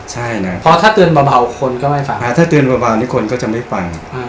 ใช่น่ะเพราะถ้าเตือนเบาเบาคนก็ไม่ฟังอ่า